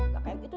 gak kayak itu tuh